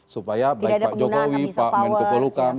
supaya baik pak jokowi pak menko polo tidak ada penggunaan